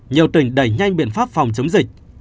nhiều tỉnh đẩy nhanh biện pháp phòng chống dịch